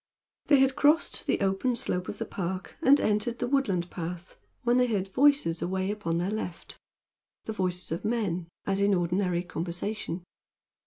They had crossed the open slope of the park and entered the woodland path when they heard voices away upon their left the voices of men, as in ordinary conversation.